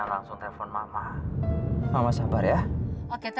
minta bahagia untuk punya kita